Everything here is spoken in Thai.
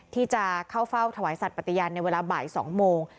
ที่จะเข้าเฝ้าถวายสัตว์ปฏิญาณในเวลาบ่าย๒โมง